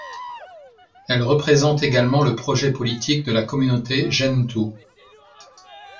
Elle représente également le projet politique de la communauté Gentoo.